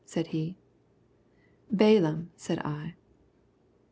said he. "Balaam," said I.